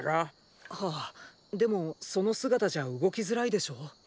はぁでもその姿じゃ動きづらいでしょう？